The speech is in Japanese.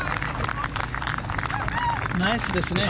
ナイスですね。